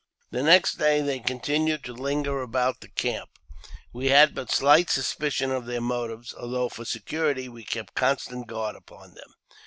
The next day they continued to linger about the camp. We had but slight suspicion of their motives, although, for security, we kept constant guard upon them.